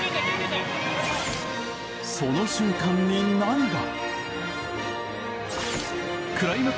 その瞬間に何が？